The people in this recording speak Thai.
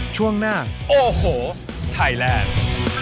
ช่วงหน้าโอ้โหไทยแลนด์